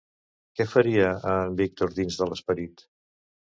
Què feria a en Víctor dins de l'esperit?